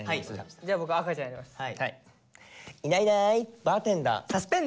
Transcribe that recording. じゃ僕赤ちゃんやります。